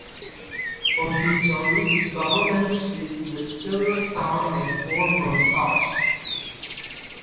For his service, Bowerman received the Silver Star and four Bronze Stars.